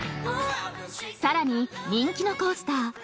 ［さらに人気のコースター